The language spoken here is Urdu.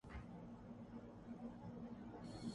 ڈیںبتیں کیں تنکیں کا سہارا